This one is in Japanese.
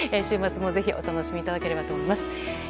週末もぜひお楽しみいただければと思います。